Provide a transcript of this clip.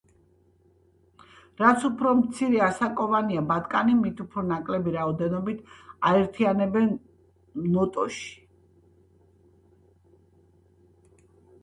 რაც უფრო მცირე ასაკოვანია ბატკანი, მით უფრო ნაკლები რაოდენობით აერთიანებენ ნოტოში.